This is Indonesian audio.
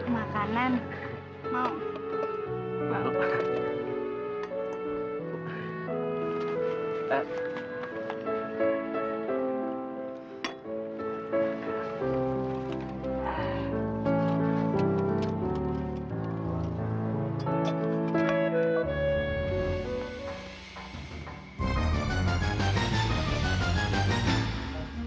makan dulu mas udah siang